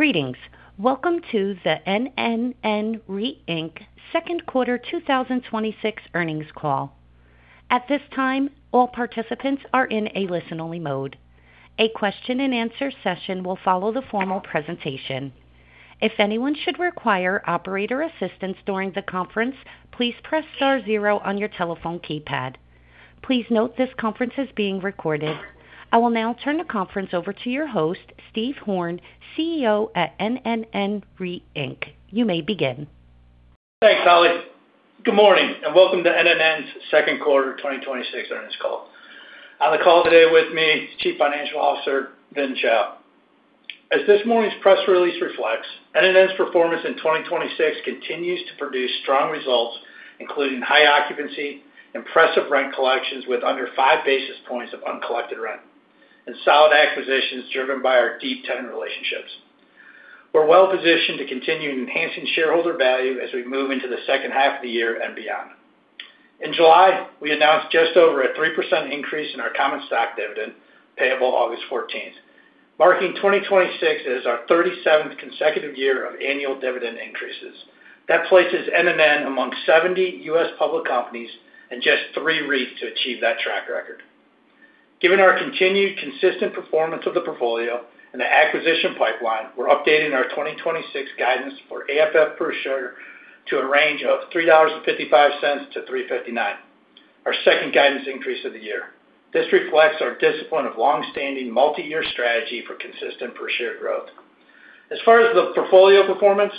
Greetings. Welcome to the NNN REIT Inc. second quarter 2026 earnings call. At this time, all participants are in a listen-only mode. A Q&A session will follow the formal presentation. If anyone should require operator assistance during the conference, please press star zero on your telephone keypad. Please note this conference is being recorded. I will now turn the conference over to your host, Steve Horn, CEO at NNN REIT Inc. You may begin. Thanks, Holly. Good morning, and welcome to NNN's second quarter 2026 earnings call. On the call today with me is Chief Financial Officer, Vin Chao. As this morning's press release reflects, NNN's performance in 2026 continues to produce strong results, including high occupancy, impressive rent collections with under five basis points of uncollected rent, and solid acquisitions driven by our deep tenant relationships. We're well-positioned to continue enhancing shareholder value as we move into the second half of the year and beyond. In July, we announced just over a 3% increase in our common stock dividend, payable August 14th, marking 2026 as our 37th consecutive year of annual dividend increases. That places NNN among 70 U.S. public companies and just three REITs to achieve that track record. Given our continued consistent performance of the portfolio and the acquisition pipeline, we're updating our 2026 guidance for AFFO per share to a range of $3.55-$3.59, our second guidance increase of the year. This reflects our discipline of longstanding multi-year strategy for consistent per share growth. As far as the portfolio performance,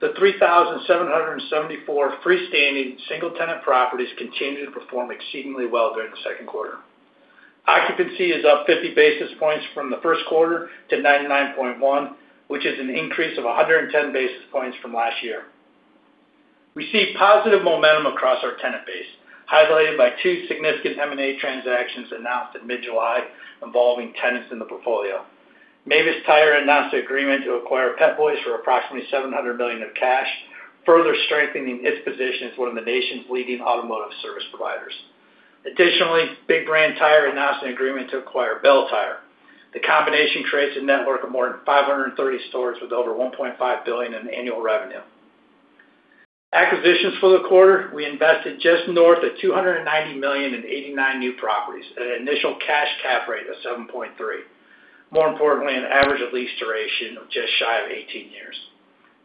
the 3,774 freestanding single-tenant properties continue to perform exceedingly well during the second quarter. Occupancy is up 50 basis points from the first quarter to 99.1%, which is an increase of 110 basis points from last year. We see positive momentum across our tenant base, highlighted by two significant M&A transactions announced in mid-July involving tenants in the portfolio. Mavis Tire announced the agreement to acquire Pep Boys for approximately $700 million of cash, further strengthening its position as one of the nation's leading automotive service providers. Additionally, Big Brand Tire announced an agreement to acquire Belle Tire. The combination creates a network of more than 530 stores with over $1.5 billion in annual revenue. Acquisitions for the quarter, we invested just north of $290 million in 89 new properties at an initial cash cap rate of 7.3%. More importantly, an average of lease duration of just shy of 18 years.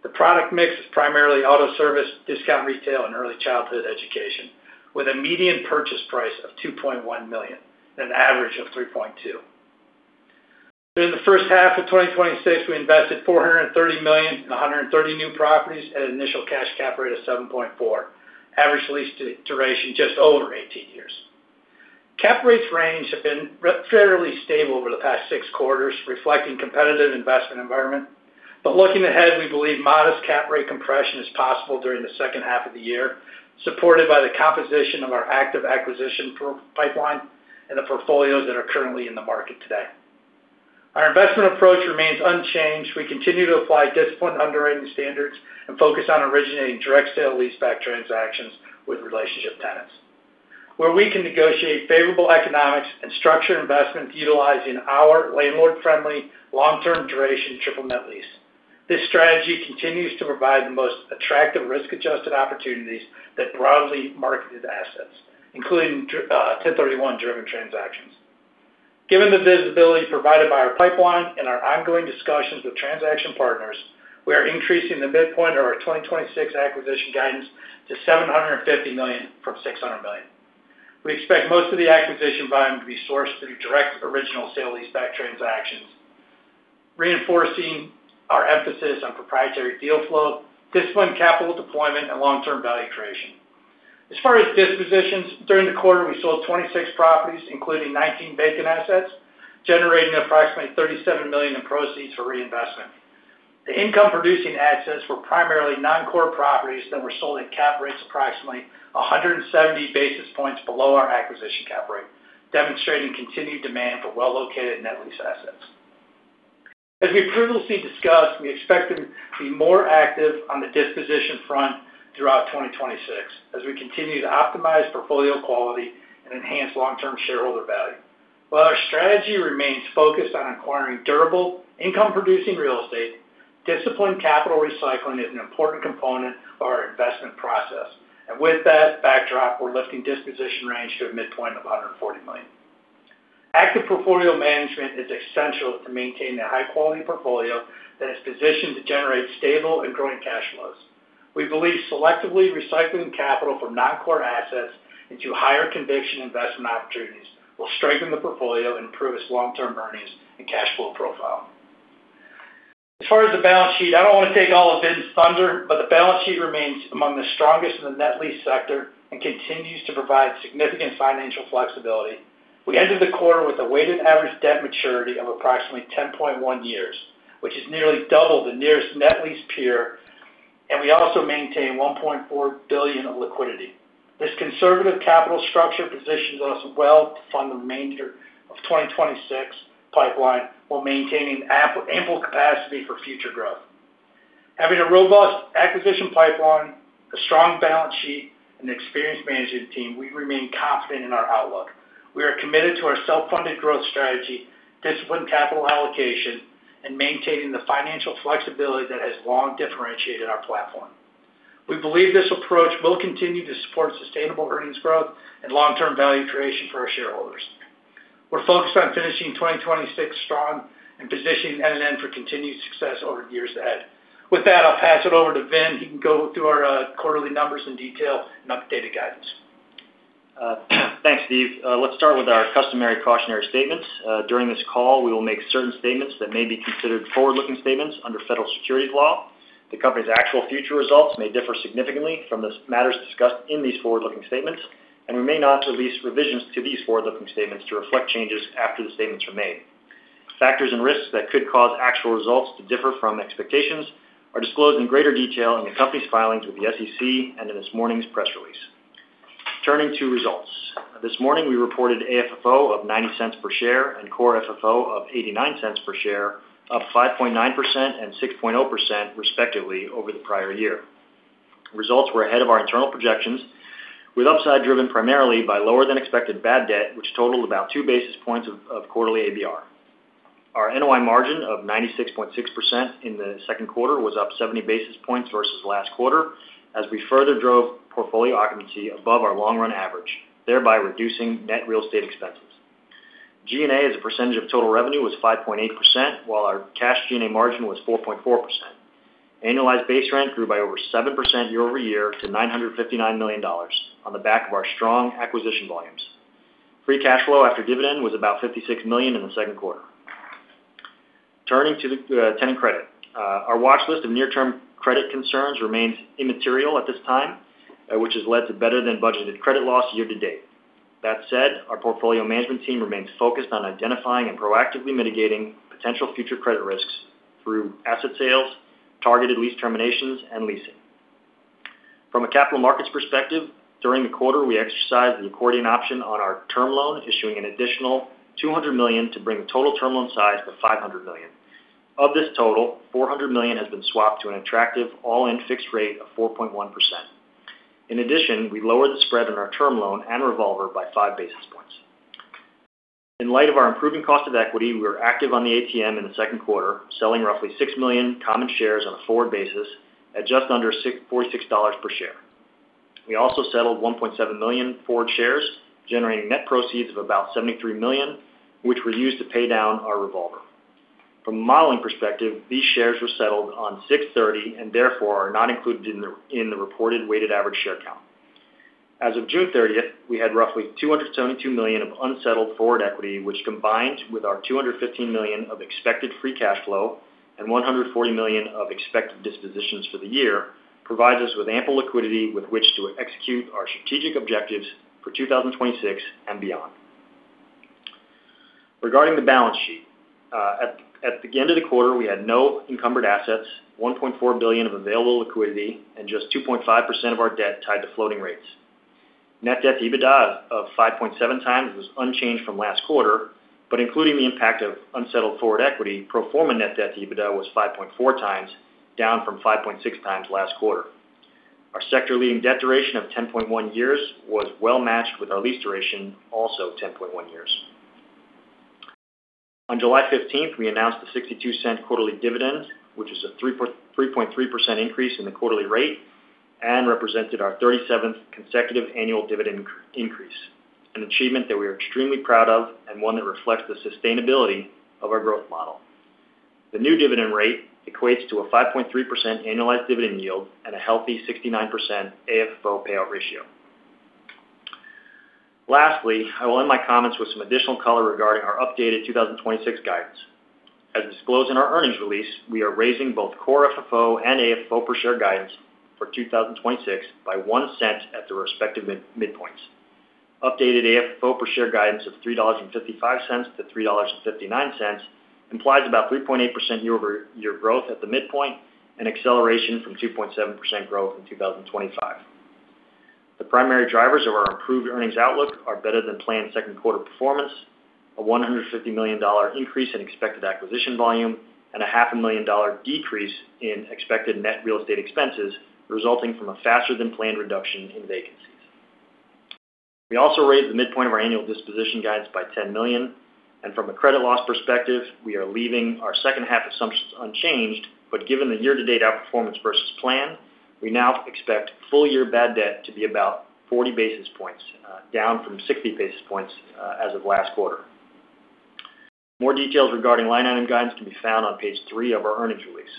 The product mix is primarily auto service, discount retail, and early childhood education, with a median purchase price of $2.1 million and an average of $3.2 million. During the first half of 2026, we invested $430 million in 130 new properties at an initial cash cap rate of 7.4%, average lease duration just over 18 years. Cap rates range have been fairly stable over the past six quarters, reflecting competitive investment environment. Looking ahead, we believe modest cap rate compression is possible during the second half of the year, supported by the composition of our active acquisition pipeline and the portfolios that are currently in the market today. Our investment approach remains unchanged. We continue to apply disciplined underwriting standards and focus on originating direct sale-leaseback transactions with relationship tenants. Where we can negotiate favorable economics and structure investments utilizing our landlord-friendly long-term duration Triple Net Lease. This strategy continues to provide the most attractive risk-adjusted opportunities that broadly marketed assets, including 1031-driven transactions. Given the visibility provided by our pipeline and our ongoing discussions with transaction partners, we are increasing the midpoint of our 2026 acquisition guidance to $750 million from $600 million. We expect most of the acquisition volume to be sourced through direct original sale-leaseback transactions, reinforcing our emphasis on proprietary deal flow, disciplined capital deployment, and long-term value creation. As far as dispositions, during the quarter, we sold 26 properties, including 19 vacant assets, generating approximately $37 million in proceeds for reinvestment. The income-producing assets were primarily non-core properties that were sold at cap rates approximately 170 basis points below our acquisition cap rate, demonstrating continued demand for well-located Net Lease assets. As we previously discussed, we expect to be more active on the disposition front throughout 2026 as we continue to optimize portfolio quality and enhance long-term shareholder value. While our strategy remains focused on acquiring durable income-producing real estate, disciplined capital recycling is an important component of our investment process. With that backdrop, we're lifting disposition range to a midpoint of $140 million. Active portfolio management is essential to maintain a high-quality portfolio that is positioned to generate stable and growing cash flows. We believe selectively recycling capital from non-core assets into higher conviction investment opportunities will strengthen the portfolio and improve its long-term earnings and cash flow profile. As far as the balance sheet, I don't want to take all of Vin's thunder, but the balance sheet remains among the strongest in the Net Lease sector and continues to provide significant financial flexibility. We ended the quarter with a weighted average debt maturity of approximately 10.1 years, which is nearly double the nearest Net Lease peer, and we also maintain $1.4 billion of liquidity. This conservative capital structure positions us well to fund the remainder of 2026 pipeline while maintaining ample capacity for future growth. Having a robust acquisition pipeline, a strong balance sheet, and an experienced management team, we remain confident in our outlook. We are committed to our self-funded growth strategy, disciplined capital allocation, and maintaining the financial flexibility that has long differentiated our platform. We believe this approach will continue to support sustainable earnings growth and long-term value creation for our shareholders. We're focused on finishing 2026 strong and positioning NNN for continued success over years ahead. With that, I'll pass it over to Vin. He can go through our quarterly numbers in detail and updated guidance. Thanks, Steve. During this call, we will make certain statements that may be considered forward-looking statements under federal securities law. The company's actual future results may differ significantly from the matters discussed in these forward-looking statements, and we may not release revisions to these forward-looking statements to reflect changes after the statements are made. Factors and risks that could cause actual results to differ from expectations are disclosed in greater detail in the company's filings with the SEC and in this morning's press release. Turning to results. This morning, we reported AFFO of $0.90 per share and Core FFO of $0.89 per share, up 5.9% and 6.0% respectively over the prior year. Results were ahead of our internal projections, with upside driven primarily by lower than expected bad debt, which totaled about two basis points of quarterly ABR. Our NOI margin of 96.6% in the second quarter was up 70 basis points versus last quarter, as we further drove portfolio occupancy above our long-run average, thereby reducing net real estate expenses. G&A as a percentage of total revenue was 5.8%, while our cash G&A margin was 4.4%. Annualized base rent grew by over 7% year-over-year to $959 million on the back of our strong acquisition volumes. Free cash flow after dividend was about $56 million in the second quarter. Turning to the tenant credit. Our watch list of near-term credit concerns remains immaterial at this time, which has led to better than budgeted credit loss year to date. That said, our portfolio management team remains focused on identifying and proactively mitigating potential future credit risks through asset sales, targeted lease terminations, and leasing. From a capital markets perspective, during the quarter, we exercised the accordion option on our term loan, issuing an additional $200 million to bring the total term loan size to $500 million. Of this total, $400 million has been swapped to an attractive all-in fixed rate of 4.1%. In addition, we lowered the spread on our term loan and revolver by 5 basis points. In light of our improving cost of equity, we were active on the ATM in the second quarter, selling roughly 6 million common shares on a forward basis at just under $46 per share. We also settled 1.7 million forward shares, generating net proceeds of about $73 million, which were used to pay down our revolver. From a modeling perspective, these shares were settled on 6/30 and therefore are not included in the reported weighted average share count. As of June 30th, we had roughly $272 million of unsettled forward equity, which combined with our $215 million of expected free cash flow and $140 million of expected dispositions for the year, provides us with ample liquidity with which to execute our strategic objectives for 2026 and beyond. Regarding the balance sheet. At the end of the quarter, we had no encumbered assets, $1.4 billion of available liquidity, and just 2.5% of our debt tied to floating rates. Net debt to EBITDA of 5.7x was unchanged from last quarter, but including the impact of unsettled forward equity, pro forma net debt to EBITDA was 5.4x, down from 5.6x last quarter. Our sector leading debt duration of 10.1 years was well matched with our lease duration, also 10.1 years. On July 15th, we announced the $0.62 quarterly dividend, which is a 3.3% increase in the quarterly rate and represented our 37th consecutive annual dividend increase, an achievement that we are extremely proud of and one that reflects the sustainability of our growth model. The new dividend rate equates to a 5.3% annualized dividend yield and a healthy 69% AFFO payout ratio. Lastly, I will end my comments with some additional color regarding our updated 2026 guidance. As disclosed in our earnings release, we are raising both Core FFO and AFFO per share guidance for 2026 by $0.01 at the respective midpoints. Updated AFFO per share guidance of $3.55-$3.59 implies about 3.8% year-over-year growth at the midpoint and acceleration from 2.7% growth in 2025. The primary drivers of our improved earnings outlook are better than planned second quarter performance, a $150 million increase in expected acquisition volume, and a half a million dollar decrease in expected net real estate expenses resulting from a faster than planned reduction in vacancies. We also raised the midpoint of our annual disposition guidance by $10 million. From a credit loss perspective, we are leaving our second half assumptions unchanged, but given the year-to-date outperformance versus plan, we now expect full year bad debt to be about 40 basis points, down from 60 basis points as of last quarter. More details regarding line item guidance can be found on page three of our earnings release.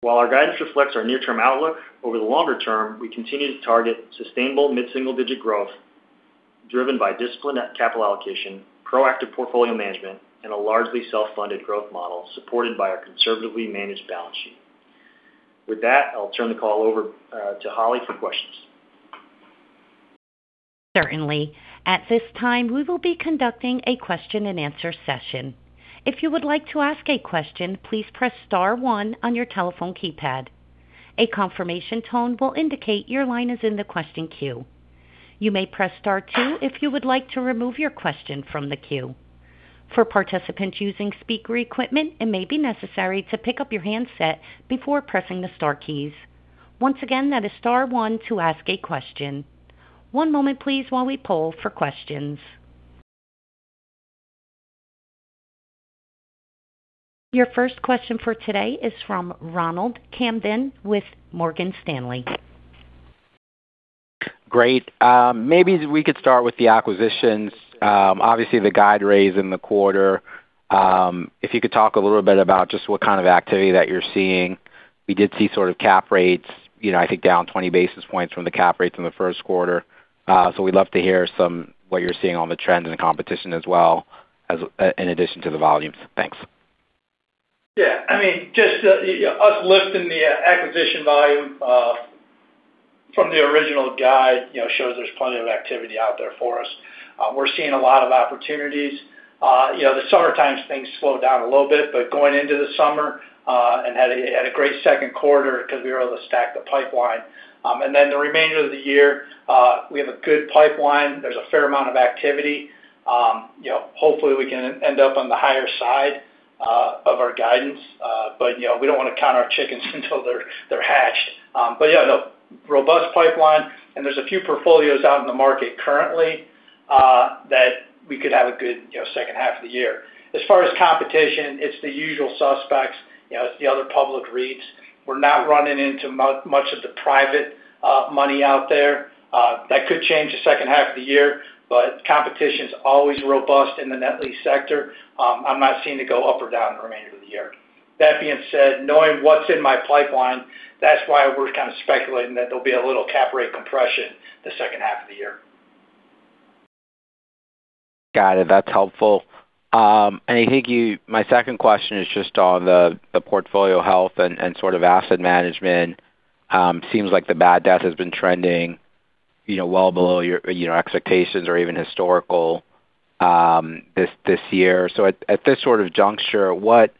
While our guidance reflects our near-term outlook, over the longer term, we continue to target sustainable mid-single-digit growth driven by disciplined capital allocation, proactive portfolio management, and a largely self-funded growth model supported by our conservatively managed balance sheet. With that, I'll turn the call over to Holly for questions. Certainly. At this time, we will be conducting a Q&A session. If you would like to ask a question, please press star one on your telephone keypad. A confirmation tone will indicate your line is in the question queue. You may press star two if you would like to remove your question from the queue. For participants using speaker equipment, it may be necessary to pick up your handset before pressing the star keys. Once again, that is star one to ask a question. One moment please while we poll for questions. Your first question for today is from Ronald Kamdem with Morgan Stanley. Great. Maybe we could start with the acquisitions. Obviously, the guide raise in the quarter. If you could talk a little bit about just what kind of activity that you're seeing. We did see sort of cap rates, I think down 20 basis points from the cap rates in the first quarter. We'd love to hear what you're seeing on the trend and the competition as well, in addition to the volumes. Thanks. Yeah. Just us lifting the acquisition volume from the original guide, shows there's plenty of activity out there for us. We're seeing a lot of opportunities. The summer times things slow down a little bit, but going into the summer, and had a great second quarter because we were able to stack the pipeline. The remainder of the year, we have a good pipeline. There's a fair amount of activity. Hopefully, we can end up on the higher side of our guidance. We don't want to count our chickens until they're hatched. Yeah, no. Robust pipeline, and there's a few portfolios out in the market currently, that we could have a good second half of the year. As far as competition, it's the usual suspects. It's the other public REITs. We're not running into much of the private money out there. That could change the second half of the year. Competition's always robust in the net lease sector. I'm not seeing it go up or down in the remainder of the year. That being said, knowing what's in my pipeline, that's why we're kind of speculating that there'll be a little cap rate compression the second half of the year. Got it. That's helpful. I think my second question is just on the portfolio health and sort of asset management. Seems like the bad debt has been trending well below your expectations or even historical this year. At this sort of juncture, what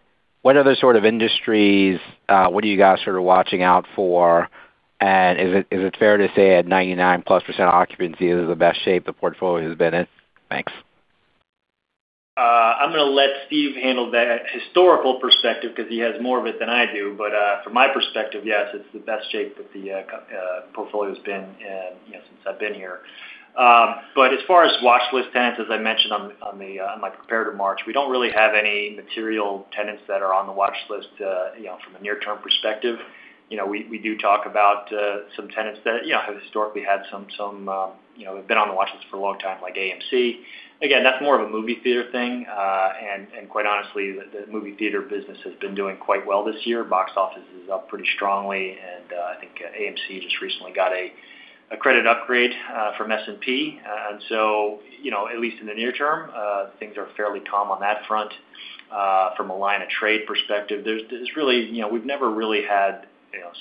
other sort of industries, what are you guys sort of watching out for? Is it fair to say at 99%+ occupancy, this is the best shape the portfolio has been in? Thanks. I'm gonna let Steve handle the historical perspective because he has more of it than I do. From my perspective, yes, it's the best shape that the portfolio's been in since I've been here. As far as watchlist tenants, as I mentioned on my prepared remarks, we don't really have any material tenants that are on the watchlist from a near-term perspective. We do talk about some tenants that have historically been on the watchlist for a long time, like AMC. Again, that's more of a movie theater thing. Quite honestly, the movie theater business has been doing quite well this year. Box office is up pretty strongly, and I think AMC just recently got a credit upgrade from S&P, you know, in the near term, things are fairly calm on that front. From a line of trade perspective, we've never really had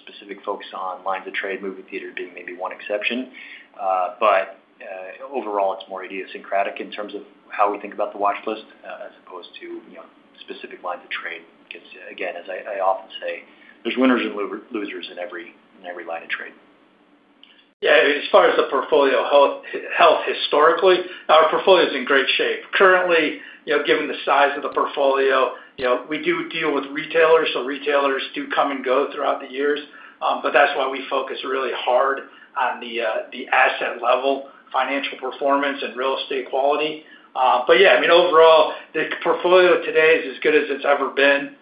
specific focus on lines of trade, movie theater being maybe one exception. Overall, it's more idiosyncratic in terms of how we think about the watchlist as opposed to specific lines of trade. Again, as I often say, there's winners and losers in every line of trade. Yeah, as far as the portfolio health historically, our portfolio's in great shape. Currently, given the size of the portfolio, we do deal with retailers. Retailers do come and go throughout the years. That's why we focus really hard on the asset level financial performance and real estate quality. Yeah, I mean, overall, the portfolio today is as good as it's ever been.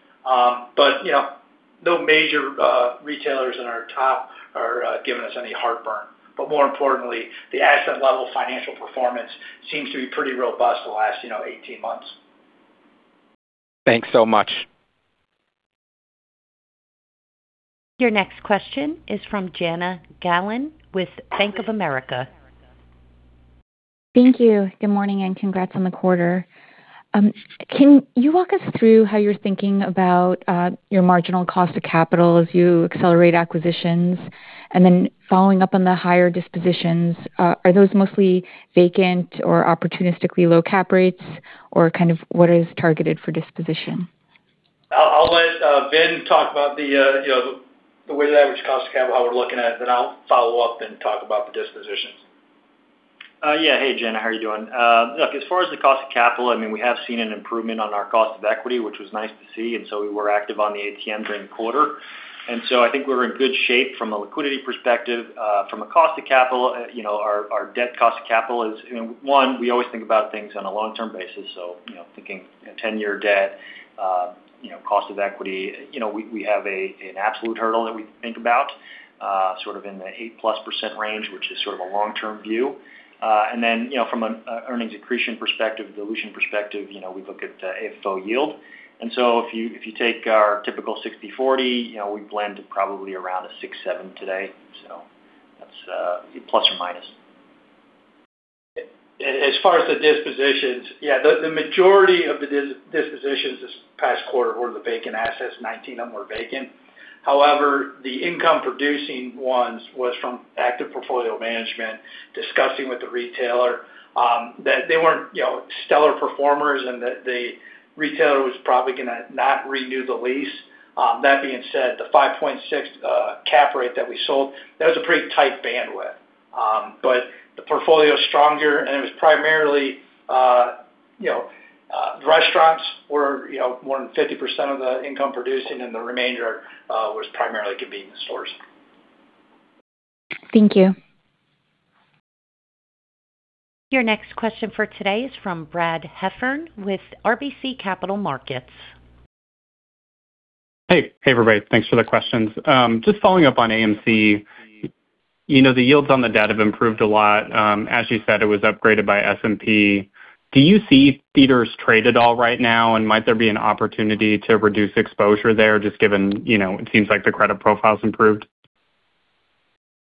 No major retailers in our top are giving us any heartburn. More importantly, the asset level financial performance seems to be pretty robust the last 18 months. Thanks so much. Your next question is from Jana Galan with Bank of America. Thank you. Good morning, and congrats on the quarter. Can you walk us through how you're thinking about your marginal cost of capital as you accelerate acquisitions? Following up on the higher dispositions, are those mostly vacant or opportunistically low cap rates, or kind of what is targeted for disposition? I'll let Vin talk about the way the average cost of capital, how we're looking at it, I'll follow up and talk about the dispositions. Yeah. Hey, Jana, how are you doing? Look, as far as the cost of capital, I mean, we have seen an improvement on our cost of equity, which was nice to see, we were active on the ATM during the quarter. I think we're in good shape from a liquidity perspective. From a cost of capital, our debt cost of capital is, one, we always think about things on a long-term basis, so thinking 10-year debt, cost of equity. We have an absolute hurdle that we think about, sort of in the 8%+ range, which is sort of a long-term view. From an earnings accretion perspective, dilution perspective, we look at the AFFO yield. If you take our typical 60/40, we blend probably around a six, seven today. That's plus or minus. As far as the dispositions, yeah, the majority of the dispositions this past quarter were the vacant assets. 19 of them were vacant. The income-producing ones was from active portfolio management, discussing with the retailer that they weren't stellar performers and that the retailer was probably gonna not renew the lease. That being said, the 5.6% cap rate that we sold, that was a pretty tight bandwidth. The portfolio's stronger, and it was primarily were more than 50% of the income producing, and the remainder was primarily convenience stores. Thank you. Your next question for today is from Brad Heffern with RBC Capital Markets. Hey, everybody. Thanks for the questions. Just following up on AMC. The yields on the debt have improved a lot. As you said, it was upgraded by S&P. Do you see theaters trade at all right now, and might there be an opportunity to reduce exposure there just given, it seems like their credit profile's improved?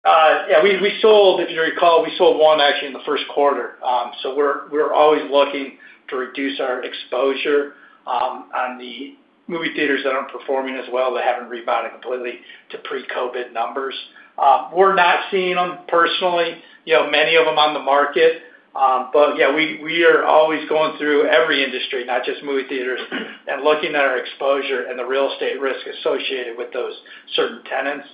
Yeah. If you recall, we sold one actually in the first quarter. We're always looking to reduce our exposure on the movie theaters that aren't performing as well, that haven't rebounded completely to pre-COVID numbers. We're not seeing them personally, many of them on the market. Yeah, we are always going through every industry, not just movie theaters, and looking at our exposure and the real estate risk associated with those certain tenants.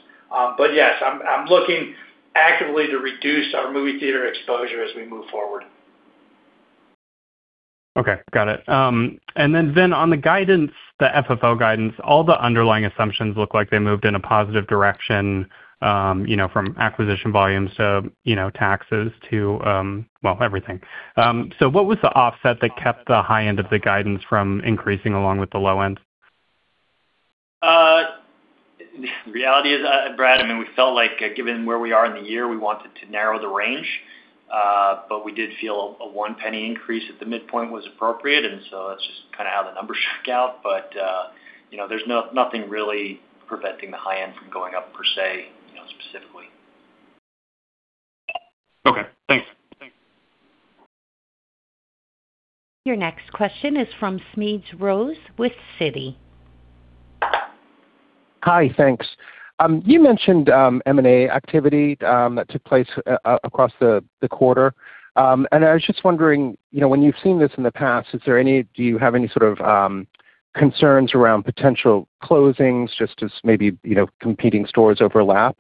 Yes, I'm looking actively to reduce our movie theater exposure as we move forward. Okay, got it. Vin, on the guidance, the FFO guidance, all the underlying assumptions look like they moved in a positive direction, from acquisition volumes to taxes to, well, everything. What was the offset that kept the high end of the guidance from increasing along with the low end? The reality is, Brad, we felt like given where we are in the year, we wanted to narrow the range. We did feel a one penny increase at the midpoint was appropriate, that's just kind of how the numbers shook out. There's nothing really preventing the high end from going up per se, specifically. Okay, thanks. Your next question is from Bennett Rose with Citi. Hi. Thanks. You mentioned M&A activity that took place across the quarter. I was just wondering, when you've seen this in the past, do you have any sort of concerns around potential closings just as maybe competing stores overlap?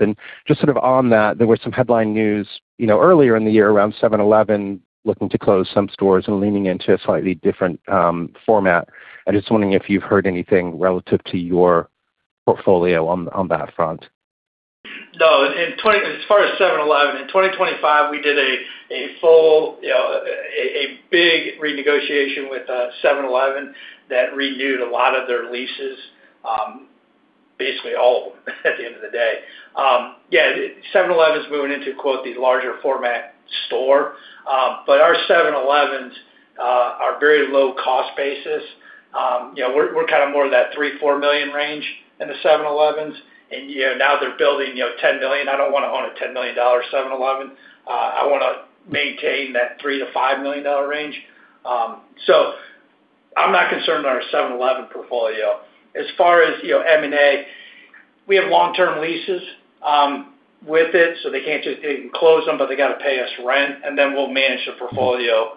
Just sort of on that, there was some headline news earlier in the year around 7-Eleven looking to close some stores and leaning into a slightly different format. I'm just wondering if you've heard anything relative to your portfolio on that front. No. As far as 7-Eleven, in 2025, we did a full, a big renegotiation with 7-Eleven that renewed a lot of their leases. Basically all of them at the end of the day. Yeah, 7-Eleven's moving into quote, the larger format store. Our 7-Eleven's are very low-cost basis. We're kind of more in that $3 million-$4 million range in the 7-Eleven's. Now they're building $10 million. I don't want to own a $10 million 7-Eleven. I want to maintain that $3 million-$5 milloon range. I'm not concerned on our 7-Eleven portfolio. As far as M&A, we have long-term leases with it, so they can close them, they got to pay us rent, we'll manage the portfolio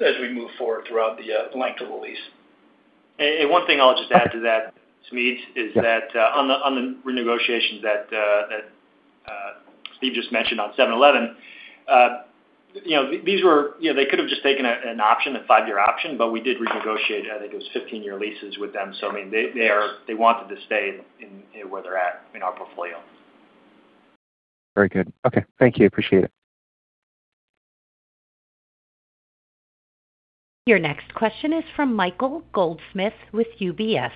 as we move forward throughout the length of the lease. One thing I'll just add to that, Bennett, is that on the renegotiations that Steve just mentioned on 7-Eleven, they could've just taken an option, a five-year option, but we did renegotiate, I think it was 15-year leases with them. They wanted to stay where they're at in our portfolio. Very good. Okay. Thank you. Appreciate it. Your next question is from Michael Goldsmith with UBS.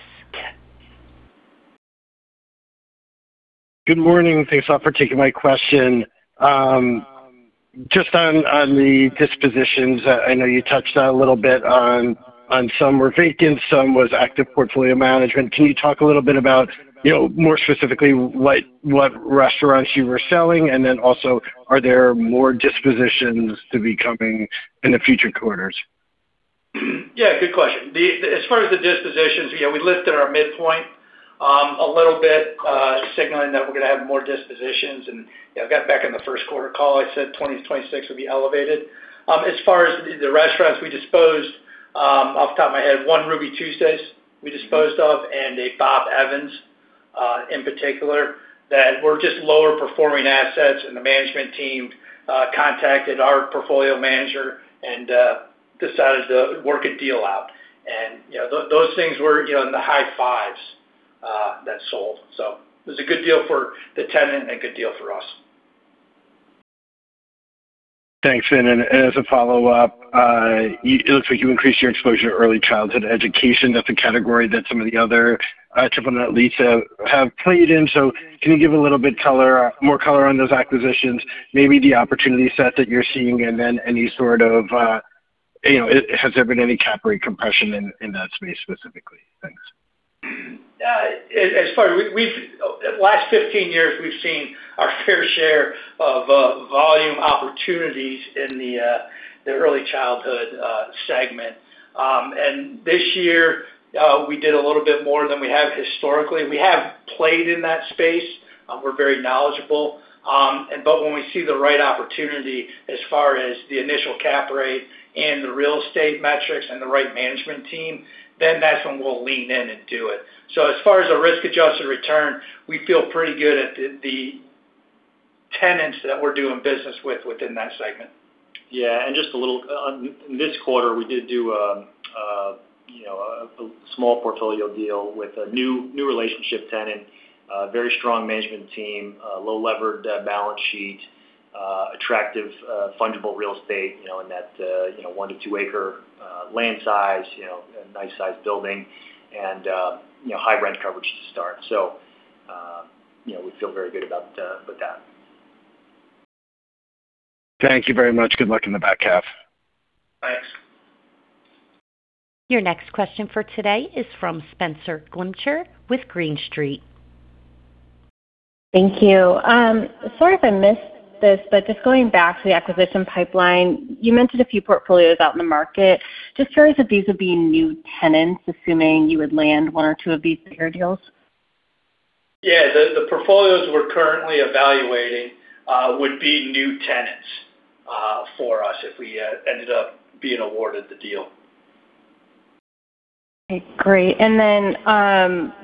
Good morning. Thanks a lot for taking my question. Just on the dispositions, I know you touched a little bit on some were vacant, some was active portfolio management. Can you talk a little bit about more specifically what restaurants you were selling? Also, are there more dispositions to be coming in the future quarters? Yeah, good question. As far as the dispositions, we lifted our midpoint a little bit, signaling that we're going to have more dispositions. I got back in the first quarter call, I said 2026 would be elevated. As far as the restaurants we disposed, off the top of my head, one Ruby Tuesday we disposed of and a Bob Evans in particular that were just lower performing assets, the management team contacted our portfolio manager and decided to work a deal out. Those things were in the high fives that sold. It was a good deal for the tenant and a good deal for us. Thanks, Steve. As a follow-up, it looks like you increased your exposure to early childhood education. That is a category that some of the other Triple Net Leases have played in. Can you give a little bit more color on those acquisitions, maybe the opportunity set that you are seeing, and then has there been any cap rate compression in that space specifically? Thanks. Last 15 years, we have seen our fair share of volume opportunities in the early childhood segment. This year, we did a little bit more than we have historically. We have played in that space. We are very knowledgeable. When we see the right opportunity as far as the initial cap rate and the real estate metrics and the right management team, then that is when we will lean in and do it. As far as the risk-adjusted return, we feel pretty good at the tenants that we are doing business with within that segment. Yeah. In this quarter, we did do a small portfolio deal with a new relationship tenant, a very strong management team, a low-leveraged balance sheet, attractive fundable real estate, in that 1-2 acre land size, a nice size building, and high rent coverage to start. We feel very good about that. Thank you very much. Good luck in the back half. Thanks. Your next question for today is from Spenser Glimcher with Green Street. Thank you. Sorry if I missed this. Just going back to the acquisition pipeline, you mentioned a few portfolios out in the market. Just curious if these would be new tenants, assuming you would land one or two of these bigger deals? Yeah, the portfolios we're currently evaluating would be new tenants for us if we ended up being awarded the deal. Okay, great.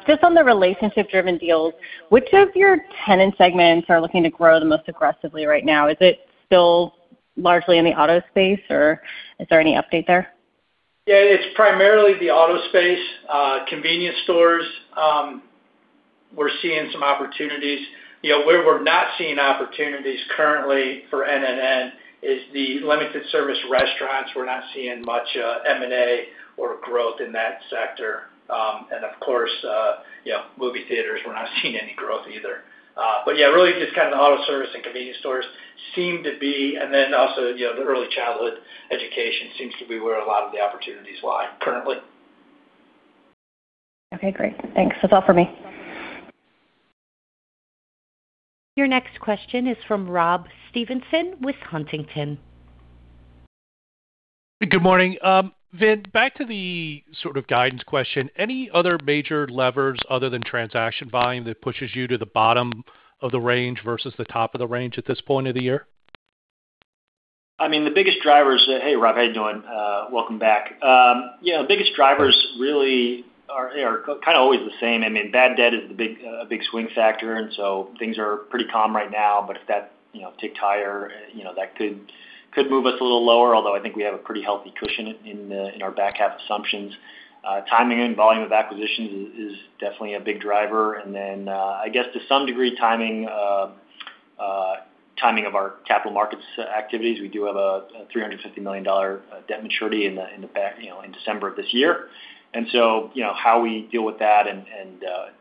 Just on the relationship-driven deals, which of your tenant segments are looking to grow the most aggressively right now? Is it still largely in the auto space, or is there any update there? It's primarily the auto space. Convenience stores, we're seeing some opportunities. Where we're not seeing opportunities currently for NNN is the limited service restaurants. We're not seeing much M&A or growth in that sector. Of course, movie theaters, we're not seeing any growth either. Really just kind of the auto service and convenience stores seem to be. The early childhood education seems to be where a lot of the opportunities lie currently. Okay, great. Thanks. That's all for me. Your next question is from Rob Stevenson with Huntington. Good morning. Vin, back to the sort of guidance question. Any other major levers other than transaction volume that pushes you to the bottom of the range versus the top of the range at this point of the year? I mean, the biggest drivers. Hey, Rob, how you doing? Welcome back. Biggest drivers really are kind of always the same. I mean, bad debt is a big swing factor. Things are pretty calm right now, but if that tick higher, that could move us a little lower, although I think we have a pretty healthy cushion in our back half assumptions. Timing and volume of acquisitions is definitely a big driver. I guess to some degree, timing of our capital markets activities. We do have a $350 million debt maturity in December of this year. How we deal with that and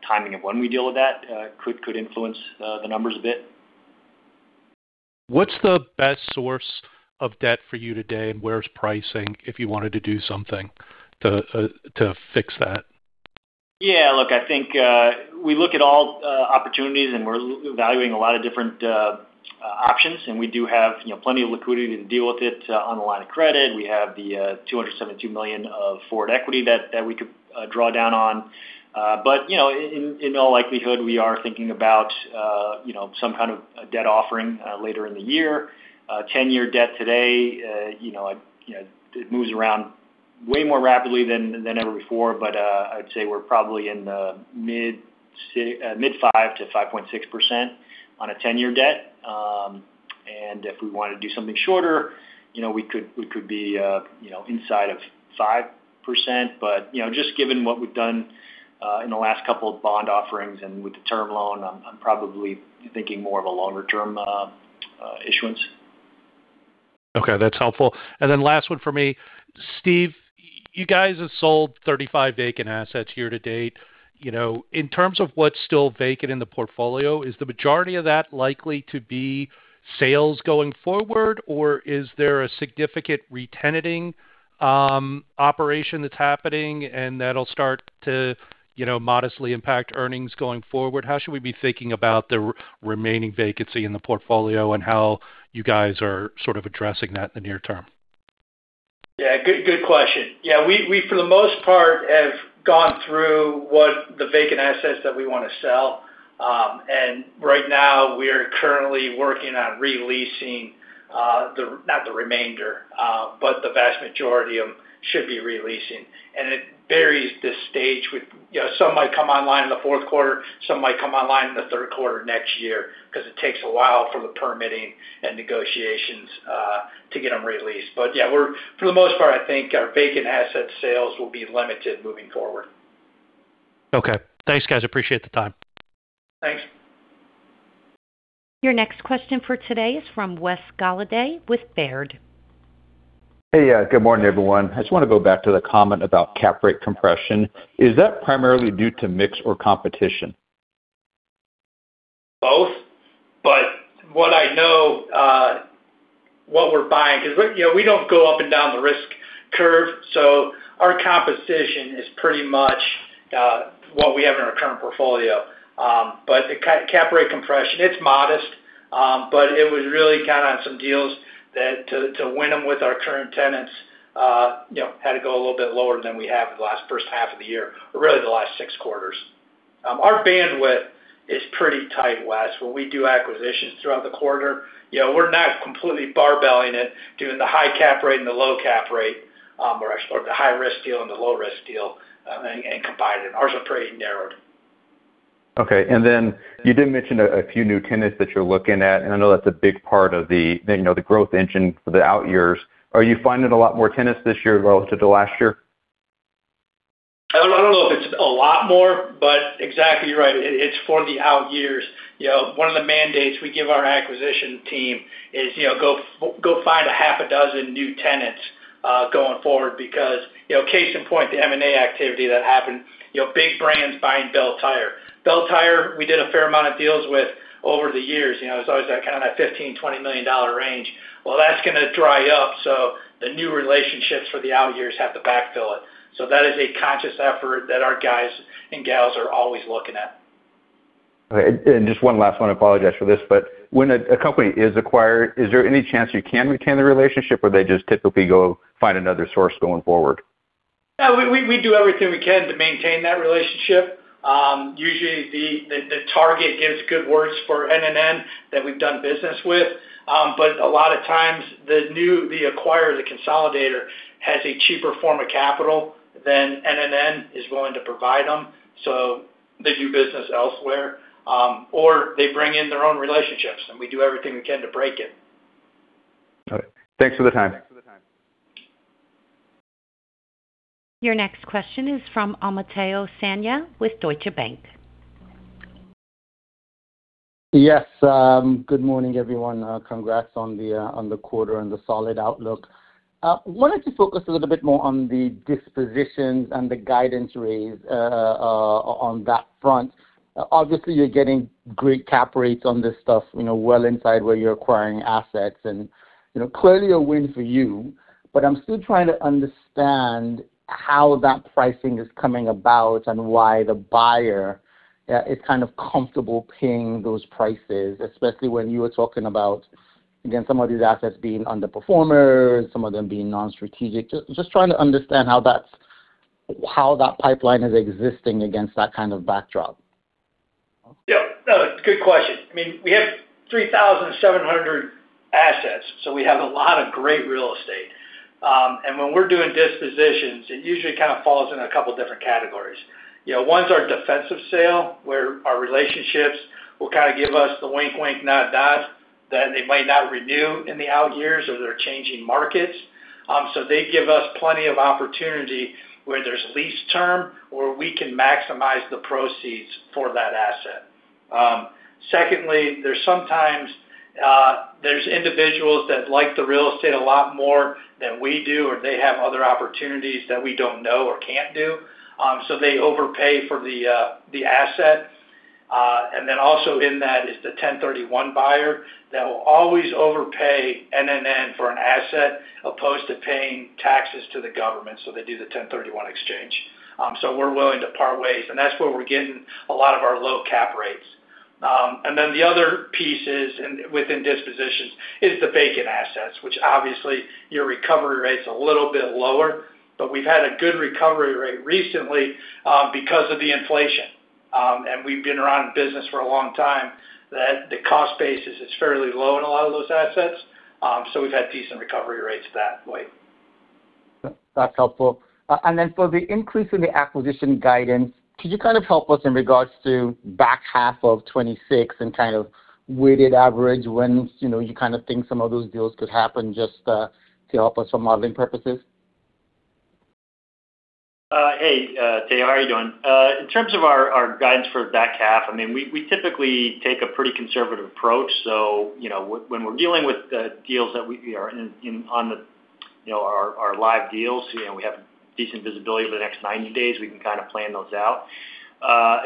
timing of when we deal with that could influence the numbers a bit. What's the best source of debt for you today, and where's pricing if you wanted to do something to fix that? Yeah, look, I think we look at all opportunities. We're evaluating a lot of different options, and we do have plenty of liquidity to deal with it on the line of credit. We have the $272 million of forward equity that we could draw down on. In all likelihood, we are thinking about some kind of debt offering later in the year. 10-year debt today, it moves around way more rapidly than ever before, but I'd say we're probably in the mid 5%-5.6% on a 10-year debt. If we want to do something shorter, we could be inside of 5%. Just given what we've done in the last couple of bond offerings and with the term loan, I'm probably thinking more of a longer-term issuance. Okay, that's helpful. Last one for me. Steve, you guys have sold 35 vacant assets year to date. In terms of what's still vacant in the portfolio, is the majority of that likely to be sales going forward, or is there a significant re-tenanting operation that's happening and that'll start to modestly impact earnings going forward? How should we be thinking about the remaining vacancy in the portfolio, and how you guys are sort of addressing that in the near term? Good question. Yeah, we, for the most part, have gone through what the vacant assets that we want to sell. Right now, we are currently working on re-leasing, not the remainder, but the vast majority should be re-leasing. It varies this stage. Some might come online in the fourth quarter, some might come online in the third quarter next year, because it takes a while for the permitting and negotiations to get them re-leased. Yeah, for the most part, I think our vacant asset sales will be limited moving forward. Okay. Thanks, guys, appreciate the time. Thanks. Your next question for today is from Wes Golladay with Baird. Hey. Good morning, everyone. I just want to go back to the comment about cap rate compression. Is that primarily due to mix or competition? Both. What I know, what we're buying, because we don't go up and down the risk curve, so our competition is pretty much what we have in our current portfolio. Cap rate compression, it's modest, but it was really kind of on some deals that to win them with our current tenants, had to go a little bit lower than we have in the last first half of the year, or really the last six quarters. Our bandwidth is pretty tight, Wes. When we do acquisitions throughout the quarter, we're not completely bar-belling it, doing the high cap rate and the low cap rate, or the high-risk deal and the low-risk deal, and combine it. Ours are pretty narrowed. Okay. You did mention a few new tenants that you're looking at, and I know that's a big part of the growth engine for the out years. Are you finding a lot more tenants this year relative to last year? I don't know if it's a lot more, exactly right. It's for the out years. One of the mandates we give our acquisition team is, go find a half a dozen new tenants, going forward because, case in point, the M&A activity that happened, big brands buying Belle Tire. Belle Tire, we did a fair amount of deals with over the years. It's always that kind of that $15 million-$20 million range. That's going to dry up, the new relationships for the out years have to backfill it. That is a conscious effort that our guys and gals are always looking at. Okay. Just one last one. I apologize for this, when a company is acquired, is there any chance you can retain the relationship, or they just typically go find another source going forward? We do everything we can to maintain that relationship. Usually, the target gives good words for NNN that we've done business with. A lot of times, the acquirer, the consolidator, has a cheaper form of capital than NNN is willing to provide them, so they do business elsewhere. They bring in their own relationships, and we do everything we can to break it. All right. Thanks for the time. Your next question is from Omotayo Okusanya with Deutsche Bank. Yes. Good morning, everyone. Congrats on the quarter and the solid outlook. Wanted to focus a little bit more on the dispositions and the guidance raise, on that front. Obviously, you're getting great cap rates on this stuff, well inside where you're acquiring assets and clearly a win for you. I'm still trying to understand how that pricing is coming about and why the buyer is kind of comfortable paying those prices, especially when you were talking about, again, some of these assets being underperformers, some of them being non-strategic. Just trying to understand how that pipeline is existing against that kind of backdrop. Yeah. No, it's a good question. We have 3,700 assets. We have a lot of great real estate. When we're doing dispositions, it usually kind of falls into a couple different categories. One's our defensive sale, where our relationships will kind of give us the wink-wink, nod-nod that they might not renew in the out years or they're changing markets. They give us plenty of opportunity where there's lease term where we can maximize the proceeds for that asset. Secondly, there's sometimes, there's individuals that like the real estate a lot more than we do, or they have other opportunities that we don't know or can't do. They overpay for the asset. Also in that is the 1031 buyer that will always overpay NNN for an asset opposed to paying taxes to the government. They do the 1031 exchange. We're willing to part ways. That's where we're getting a lot of our low cap rates. The other piece is, within dispositions, is the vacant assets, which obviously, your recovery rate's a little bit lower, but we've had a good recovery rate recently, because of the inflation. We've been around in business for a long time that the cost base is fairly low in a lot of those assets. We've had decent recovery rates that way. That's helpful. For the increase in the acquisition guidance, could you help us in regards to back half of 2026 and weighted average when you think some of those deals could happen, just to help us for modeling purposes? Hey, Omotayo. How are you doing? In terms of our guidance for back half, we typically take a pretty conservative approach. When we're dealing with deals that we are in on our live deals, we have decent visibility for the next 90 days. We can plan those out.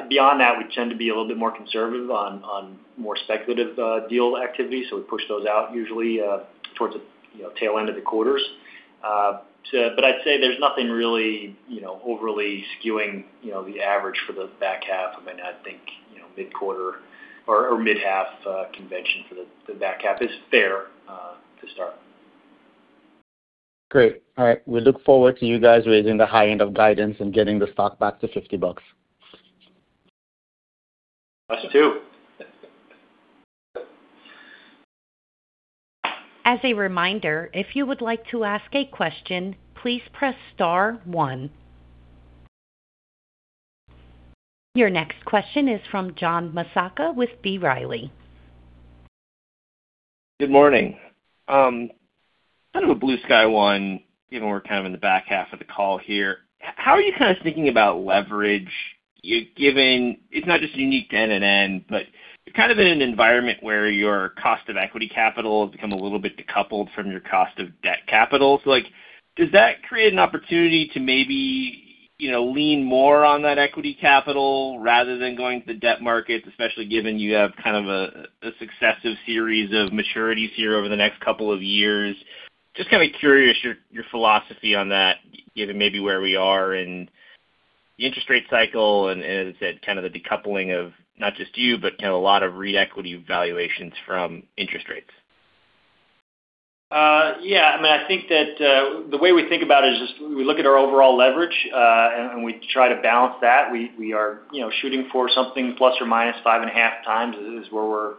Beyond that, we tend to be a little bit more conservative on more speculative deal activity. We push those out usually towards the tail end of the quarters. I'd say there's nothing really overly skewing the average for the back half. I think mid-quarter or mid-half convention for the back half is fair to start. Great. All right. We look forward to you guys raising the high end of guidance and getting the stock back to $50. Us too. As a reminder, if you would like to ask a question, please press star one. Your next question is from John Massocca with B. Riley. Good morning. Kind of a blue sky one, given we're kind of in the back half of the call here. How are you kind of thinking about leverage? Given it's not just unique to NNN, but kind of in an environment where your cost of equity capital has become a little bit decoupled from your cost of debt capital. Like, does that create an opportunity to maybe lean more on that equity capital rather than going to the debt markets, especially given you have kind of a successive series of maturities here over the next couple of years? Just kind of curious your philosophy on that, given maybe where we are in the interest rate cycle and, as I said, kind of the decoupling of not just you, but a lot of REIT equity valuations from interest rates. Yeah. I think that, the way we think about it is just we look at our overall leverage, and we try to balance that. We are shooting for something ±5.5x is where we're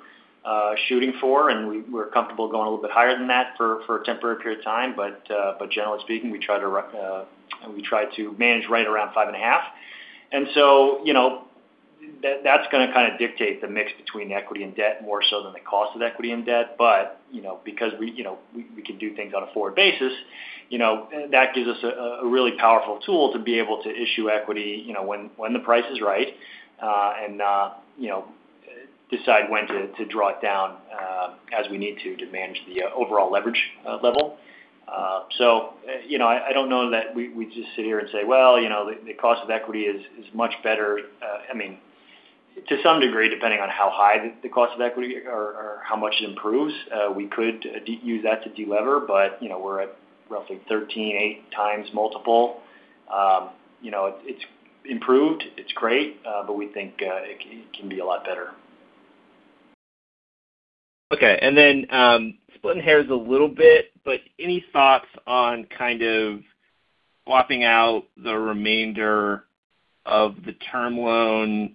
shooting for, and we're comfortable going a little bit higher than that for a temporary period of time. But generally speaking, we try to manage right around 5.5x. That's going to kind of dictate the mix between equity and debt more so than the cost of equity and debt. But because we can do things on a forward basis, that gives us a really powerful tool to be able to issue equity when the price is right, and decide when to draw it down as we need to manage the overall leverage level. I don't know that we just sit here and say, "Well, the cost of equity is much better." To some degree, depending on how high the cost of equity or how much it improves, we could use that to de-lever, but we're at roughly 13.8x multiple. It's improved. It's great. We think it can be a lot better. Okay. Then splitting hairs a little bit, any thoughts on kind of swapping out the remainder of the term loan?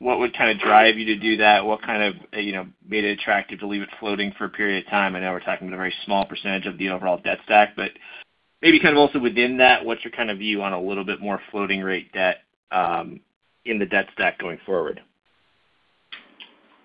What would drive you to do that? What made it attractive to leave it floating for a period of time? I know we're talking about a very small percentage of the overall debt stack, but maybe kind of also within that, what's your view on a little bit more floating rate debt in the debt stack going forward?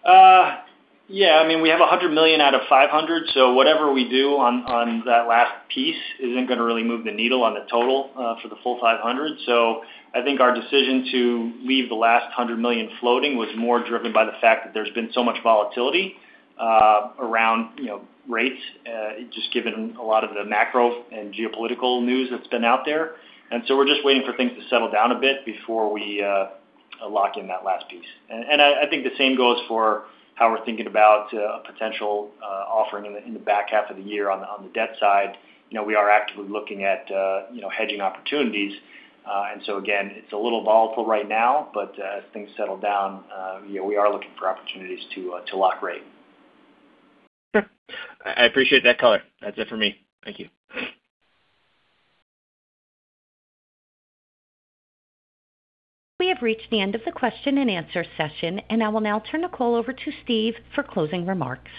Yeah, we have $100 million out of $500 million, so whatever we do on that last piece isn't going to really move the needle on the total for the full $500 million. I think our decision to leave the last $100 million floating was more driven by the fact that there's been so much volatility around rates, just given a lot of the macro and geopolitical news that's been out there. We're just waiting for things to settle down a bit before we lock in that last piece. I think the same goes for how we're thinking about a potential offering in the back half of the year on the debt side. We are actively looking at hedging opportunities. Again, it's a little volatile right now, but as things settle down, we are looking for opportunities to lock rate. Sure. I appreciate that color. That is it for me. Thank you. We have reached the end of the Q&A session. I will now turn the call over to Steve for closing remarks.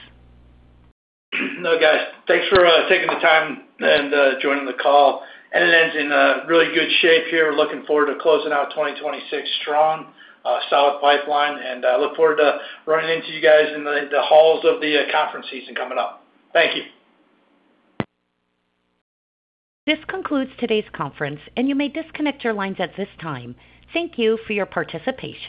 Guys. Thanks for taking the time and joining the call. NNN's in really good shape here. We are looking forward to closing out 2026 strong. Solid pipeline, I look forward to running into you guys in the halls of the conference season coming up. Thank you. This concludes today's conference. You may disconnect your lines at this time. Thank you for your participation.